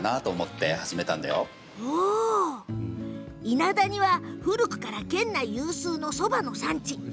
伊那谷は古くから県内有数のそばの産地。